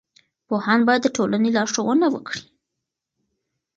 پوهان باید د ټولنې لارښوونه وکړي.